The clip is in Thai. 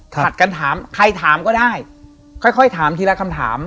ถัดกันถามใครถามก็ได้ค่อยถามทีละคำถาม